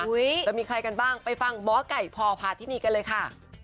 แล้วมีใครกันบ้างไปฟังหมอไก่พอพาทินีค่ะ